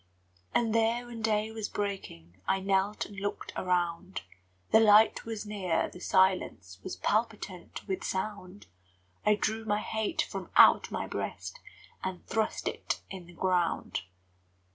And there, when day was breaking, I knelt and looked around: The light was near, the silence Was palpitant with sound; I drew my hate from out my breast And thrust it in the ground.